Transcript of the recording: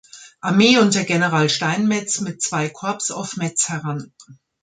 Armee unter General Steinmetz mit zwei Korps auf Metz heran.